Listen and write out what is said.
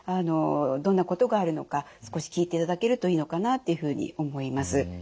どんなことがあるのか少し聞いていただけるといいのかなっていうふうに思います。